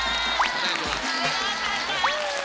お願いします。